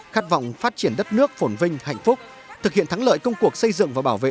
khát vọng phát triển đất nước phổn vinh hạnh phúc thực hiện thắng lợi công cuộc xây dựng và bảo vệ